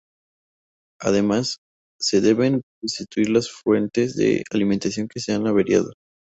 Además, se deben sustituir las fuentes de alimentación que se han averiado.